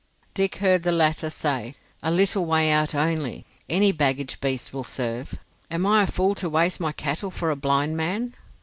Dick heard the latter say: "A little way out only. Any baggage beast will serve. Am I a fool to waste my cattle for a blind man?"